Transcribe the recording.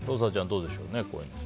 どうでしょうね。